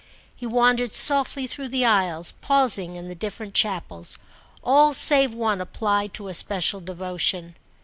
He wandered softly through the aisles, pausing in the different chapels, all save one applied to a special devotion.